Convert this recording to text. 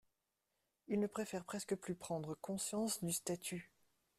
Ils ne préfèrent presque plus prendre conscience du statut...